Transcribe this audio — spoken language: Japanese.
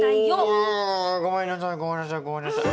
んんごめんなさいごめんなさいごめんなさい。